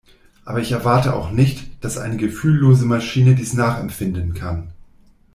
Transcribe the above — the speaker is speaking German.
Aber ich erwarte auch nicht, dass eine gefühllose Maschine dies nachempfinden kann.